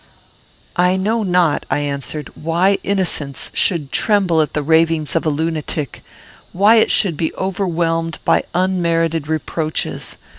"I know not," I answered, "why innocence should tremble at the ravings of a lunatic; why it should be overwhelmed by unmerited reproaches!